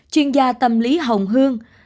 chuyên gia tâm lý hồng hương